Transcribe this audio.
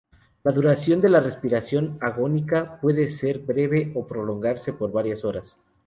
La duración de la respiración agónica puede ser breve o prolongarse por varias horas.